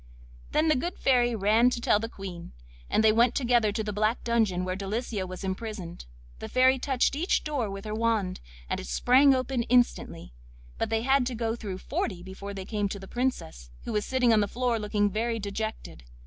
Then the good Fairy ran to tell the Queen, and they went together to the black dungeon where Delicia was imprisoned. The Fairy touched each door with her wand, and it sprang open instantly, but they had to go through forty before they came to the Princess, who was sitting on the floor looking very dejected.